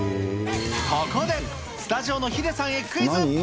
ここでスタジオのヒデさんへクイズ。